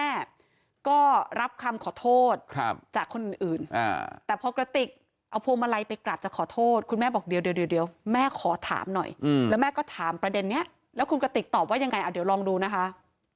เอาโพลมาลัยไปกราบจะขอโทษคุณแม่บอกเดี๋ยวแม่ขอถามหน่อยแล้วแม่ก็ถามประเด็นนี้แล้วคุณกระติกตอบว่ายังไงเดี๋ยวลองดูนะคะ